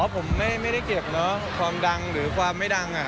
อ๋อผมไม่ได้เกลียดเนอะความดังหรือความไม่ดังอ่ะ